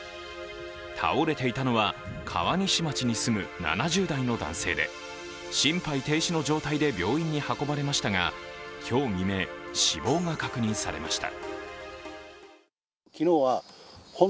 倒れていたのは、川西町に住む７０代の男性で心肺停止の状態で病院に運ばれましたが今日未明、死亡が確認されました。